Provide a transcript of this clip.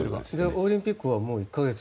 オリンピックはもう１か月。